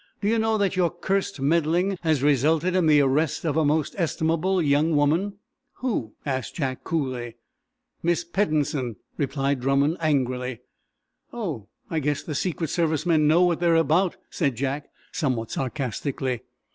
Do you know that your cursed meddling has resulted in the arrest of a most estimable young woman?" "Who?" asked Jack, coolly. "Miss Peddensen," replied Drummond, angrily. "Oh, I guess the secret service men know what they're about," said Jack somewhat sarcastically.